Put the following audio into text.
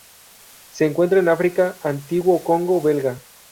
Se encuentran en África: antiguo Congo Belga.